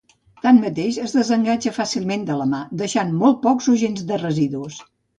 Tanmateix, es desenganxa fàcilment de la mà, deixant molt pocs o gens de residus.